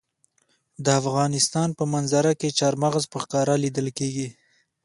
د افغانستان په منظره کې چار مغز په ښکاره لیدل کېږي.